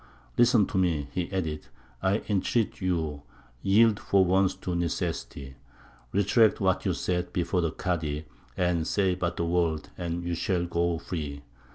"Listen to me," he added, "I entreat you; yield for once to necessity; retract what you said before the Kādy; say but the word, and you shall go free."